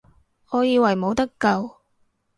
我以為冇得救